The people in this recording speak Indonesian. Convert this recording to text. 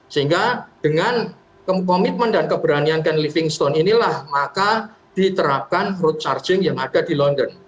sehingga dengan komitmen dan keberanian ken living stone inilah maka diterapkan road charging yang ada di london